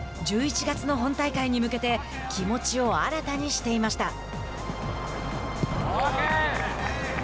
１１月の本大会に向けて気持ちを新たにしていました。